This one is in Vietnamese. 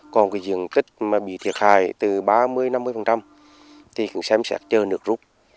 còn diện tích bị thiệt hại từ ba mươi năm mươi thì cũng xem xét chờ nước rút